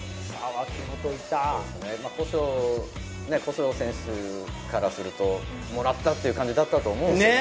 古性選手からすると、もらった！っていう感じだったと思うんですけどね。